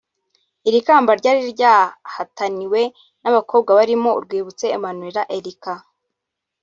Iri kamba ryari rihataniwe n’abakobwa barimo Urwibutso Emmanuella Erica